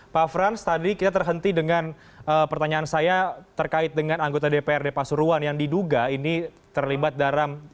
pak frans tadi kita terhenti dengan pertanyaan saya terkait dengan anggota dprd pasuruan yang diduga ini terlibat dalam